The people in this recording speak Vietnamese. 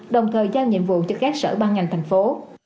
đồng thời giao nhiệm vụ cho các sở ban ngành thành phố